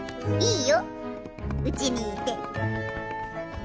いいようちにいて。